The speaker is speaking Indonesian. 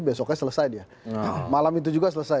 besoknya selesai dia malam itu juga selesai